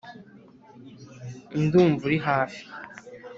ndumva uri hafi,